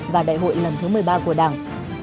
và đại hội lần thứ một mươi ba của đảng